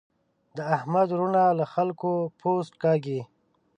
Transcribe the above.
د احمد وروڼه له خلګو پوست کاږي.